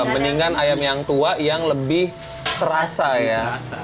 mendingan ayam yang tua yang lebih terasa ya